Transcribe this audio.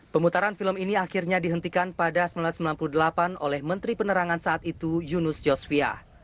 pemutaran film ini akhirnya dihentikan pada seribu sembilan ratus sembilan puluh delapan oleh menteri penerangan saat itu yunus yosvia